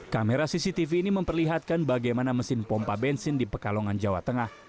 kamera cctv ini memperlihatkan bagaimana mesin pompa bensin di pekalongan jawa tengah